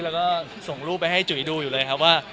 แล้วก็ส่งรูปไปให้จุ๋ยดูอยู่เลยครับว่า